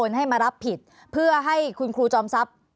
ภารกิจสรรค์ภารกิจสรรค์